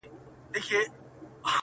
o ښه پوهېږمه غمی له ده سره دی,